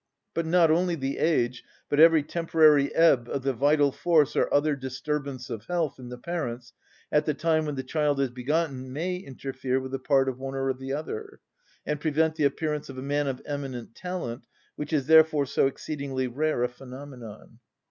But not only the age, but every temporary ebb of the vital force or other disturbance of health in the parents at the time when the child is begotten may interfere with the part of one or other, and prevent the appearance of a man of eminent talent, which is therefore so exceedingly rare a phenomenon.